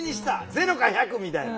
０か１００みたいな。